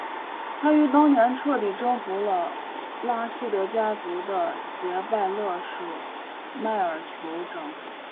他于当年彻底征服了拉希德家族的杰拜勒舍迈尔酋长国。